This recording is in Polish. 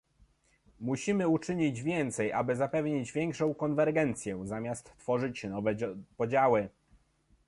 Musimy uczynić więcej, by zapewnić większą konwergencję, zamiast tworzyć nowe podziały